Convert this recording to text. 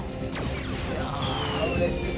いやーうれしい。